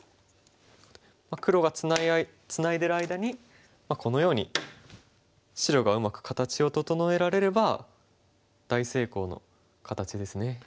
黒がツナいでる間にこのように白がうまく形を整えられれば大成功の形ですね。